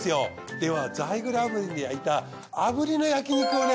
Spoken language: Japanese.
ではザイグル炙輪で焼いた炙りの焼き肉をね